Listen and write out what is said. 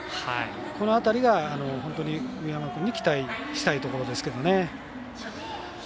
この辺りが本当に上山君に期待したいところですけどね。